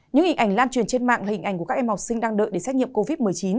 những hình ảnh lan truyền trên mạng hình ảnh của các em học sinh đang đợi để xét nghiệm covid một mươi chín